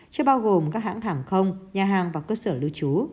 chưa bao gồm các hãng hàng không nhà hàng và cơ sở lưu trú